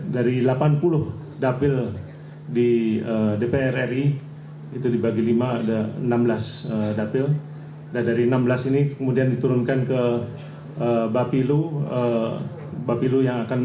dari delapan puluh dapil di dpr ri itu dibagi lima ada enam belas dapil dan dari enam belas ini kemudian diturunkan ke bapilu bapilu yang akan